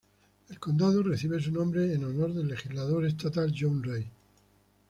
El condado recibe su nombre en honor al legislador estatal John Ray.